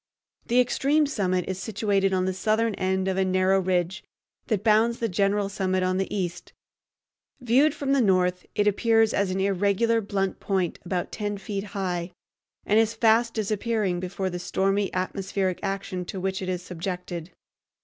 The extreme summit is situated on the southern end of a narrow ridge that bounds the general summit on the east. Viewed from the north, it appears as an irregular blunt point about ten feet high, and is fast disappearing before the stormy atmospheric action to which it is subjected.